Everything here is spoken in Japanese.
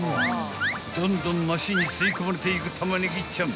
［どんどんマシンに吸い込まれていくタマネギちゃん］